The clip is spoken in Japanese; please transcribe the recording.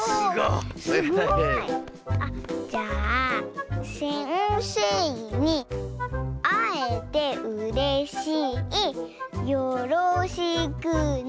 おすごい！あっじゃあ「せんせいにあえてうれしいよろしくね！」。